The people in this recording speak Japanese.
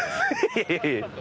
いやいや。